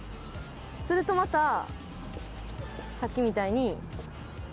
するとまたさっきみたいに。